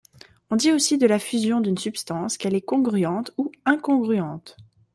On dit aussi de la fusion d'une substance qu'elle est congruente ou incongruente.